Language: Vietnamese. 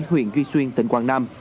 huyện duy xuyên tỉnh quảng nam